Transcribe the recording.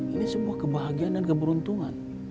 ini sebuah kebahagiaan dan keberuntungan